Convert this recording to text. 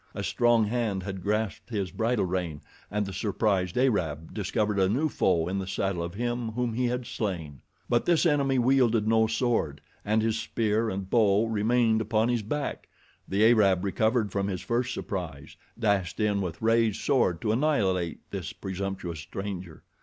A strong hand had grasped his bridle rein, and the surprised Arab discovered a new foe in the saddle of him, whom he had slain. But this enemy wielded no sword, and his spear and bow remained upon his back. The Arab, recovered from his first surprise, dashed in with raised sword to annihilate this presumptuous stranger.